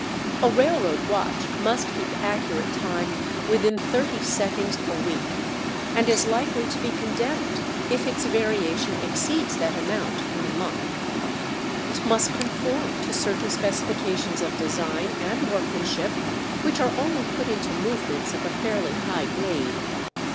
A railroad watch must keep accurate time within thirty seconds a week, and is likely to be condemned if its variation exceeds that amount in a month; it must conform to certain specifications of design and workmanship which are only put into movements of a fairly high grade.